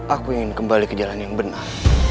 aku ingin kembali ke jalan yang benar